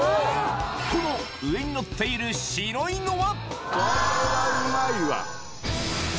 この上に載っている白いのは？